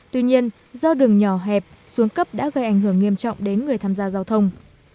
tuy nhiên do đường nhỏ hẹp xuống cấp đã gây ảnh hưởng nghiêm trọng đến người tham gia giao thông